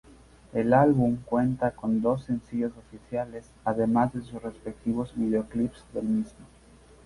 El álbum cuenta con dos Sencillos oficiales además de sus respectivos videoclips del mismo.